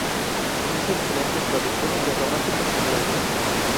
Hizo excelentes traducciones de románticos ingleses.